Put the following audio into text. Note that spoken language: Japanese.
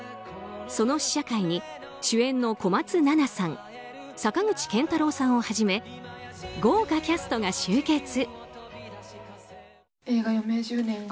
その試写会に主演の小松菜奈さん坂口健太郎さんをはじめ豪華キャストが集結。